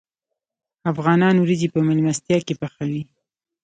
افغانان وریجې په میلمستیا کې پخوي.